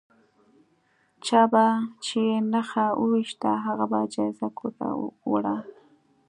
چا به چې نښه وویشته هغه به جایزه کور ته وړله.